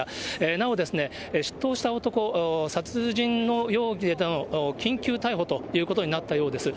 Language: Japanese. なお、出頭した男、殺人の容疑での緊急逮捕ということになったようです。